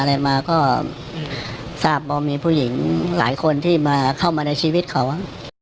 อะไรมาก็ทราบว่ามีผู้หญิงหลายคนที่มาเข้ามาในชีวิตเขา